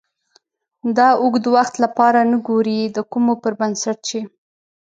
د اوږد وخت لپاره نه ګورئ د کومو پر بنسټ چې